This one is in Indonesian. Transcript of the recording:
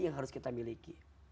yang harus kita miliki